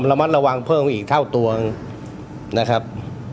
ระมัดระวังเพิ่มอีกเท่าตัวนะครับ